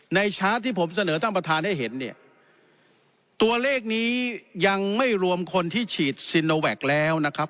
ชาร์จที่ผมเสนอท่านประธานให้เห็นเนี่ยตัวเลขนี้ยังไม่รวมคนที่ฉีดซิโนแวคแล้วนะครับ